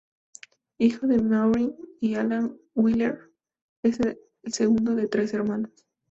Hijo de Maureen y Alec Wheeler, es el segundo de tres hermanos.